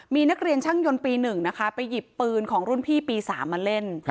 มีนักเรียนช่างยนต์ปี๑นะคะไปหยิบปืนของรุ่นพี่ปี๓มาเล่น